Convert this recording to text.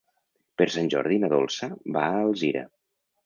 Per Sant Jordi na Dolça va a Alzira.